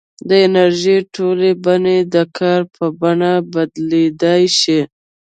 د انرژۍ ټولې بڼې د کار په بڼه بدلېدای شي.